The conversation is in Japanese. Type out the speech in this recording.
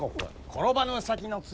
転ばぬ先の杖！